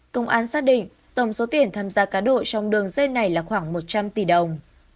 công an xác định tổng số tiền tham gia cá độ trong đường dây này là khoảng một trăm linh tỷ đồng